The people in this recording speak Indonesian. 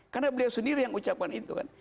karena beliau sendiri yang ucapkan itu kan